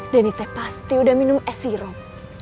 deni teh pasti udah minum es sirup